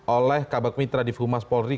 oleh kabupaten mitra divumas polri